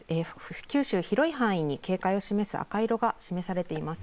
九州、広い範囲に警戒を示す赤色が示されています。